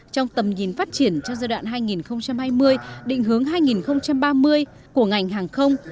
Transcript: trong tầm nhìn phát triển trong giai đoạn hai nghìn hai mươi định hướng hai nghìn ba mươi của ngành hàng không